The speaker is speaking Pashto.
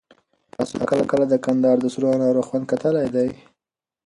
تاسو کله د کندهار د سرو انار خوند کتلی دی؟